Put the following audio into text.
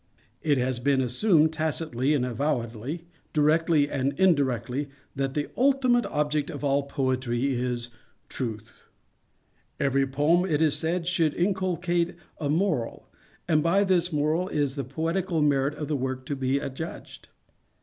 _It has been assumed, tacitly and avowedly, directly and indirectly, that the ultimate object of all Poetry is Truth. Every poem, it is said, should inculcate a morals and by this moral is the poetical merit of the work to be adjudged.